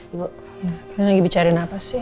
ibu kalian lagi bicarain apa sih